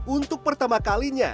untuk pertama kalinya